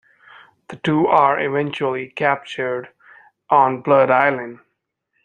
The two are eventually captured on Blood Island.